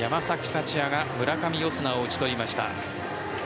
福也が村上、オスナを打ち取りました。